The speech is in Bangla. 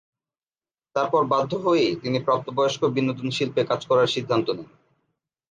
তারপর বাধ্য হয়েই তিনি প্রাপ্তবয়স্ক বিনোদন শিল্পে কাজ করার সিদ্ধান্ত নেন।